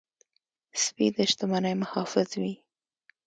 سپي د شتمنۍ محافظ وي.